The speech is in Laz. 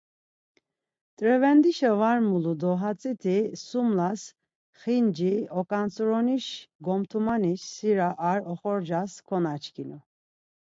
T̆revendişa var malu do hatziti Sumlas, Xinci oǩant-zuroniş gomtumanis şira ar oxorcas konaçkinu.